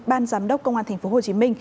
ban giám đốc công an tp hcm